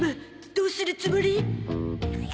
どうするつもり？